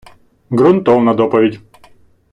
Грунтовна доповідь.